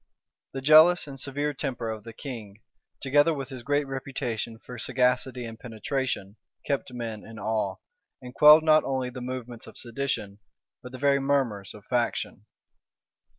The jealous and severe temper of the king, together with his great reputation for sagacity and penetration, kept men in awe, and quelled not only the movements of sedition, but the very murmurs of faction.